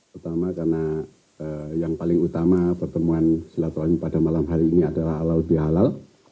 pertama karena yang paling utama pertemuan silatuan pada malam hari ini adalah alaudi halal